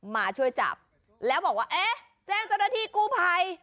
มาช่วยจับแล้วบอกว่าเอ๊ะแจ้งเจ้าหน้าที่กู้ภัย